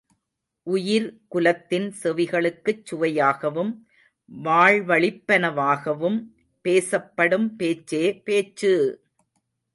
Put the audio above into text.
உயிர் குலத்தின் செவிகளுக்குச் சுவையாகவும் வாழ்வளிப்பனவாகவும் பேசப் படும் பேச்சே, பேச்சு!